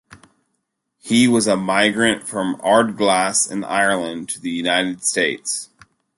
He was a migrant from Ardglass in Ireland to the United States.